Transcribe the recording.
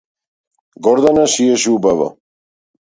Гордана шиеше убаво.